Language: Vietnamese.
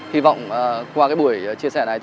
hy vọng qua cái buổi chia sẻ này